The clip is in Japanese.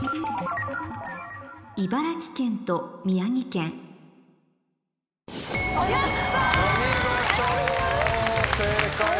茨城県と宮城県やった！